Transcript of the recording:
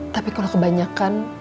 tapi kalau kebanyakan